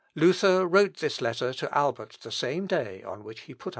Luther wrote this letter to Albert the same day on which he put up his theses.